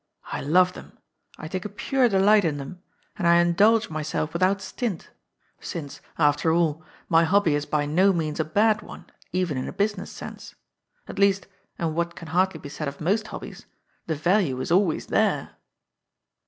I love them ; I take a pure delight in them ; and I indulge my self without stint, since, after all, my hobby is by no means a bad one even in a business sense. At least, and what can hardly be said of most hobbies, the value is always there."